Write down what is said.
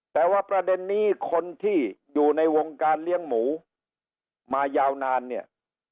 แต่ว่าประเด็นนี้คนที่อยู่ในวงการเลี้ยงหมูมายาวนานเนี่ย